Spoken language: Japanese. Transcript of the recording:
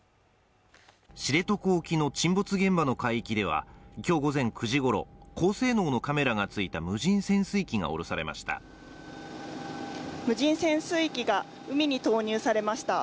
知床沖の沈没現場の海域では今日午前９時ごろ、高性能のカメラがついた無人潜水機が下ろされました。